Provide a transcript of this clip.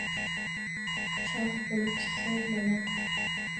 Chox bo’lib chiqsa yomon.